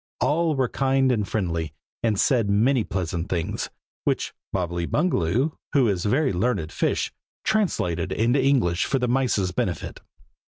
All were kind and friendly, and said many pleasant things, which Bobbily Bungaloo, who is a very learned fish, translated into English for the mice's benefit.